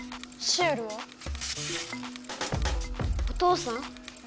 お父さん？